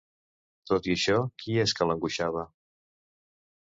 Tot i això, qui és que l'angoixava?